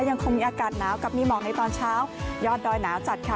ยังคงมีอากาศหนาวกับมีหมอกในตอนเช้ายอดดอยหนาวจัดค่ะ